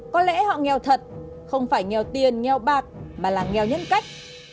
có lẽ họ nghèo thật không phải nhờ tiền nghèo bạc mà là nghèo nhân cách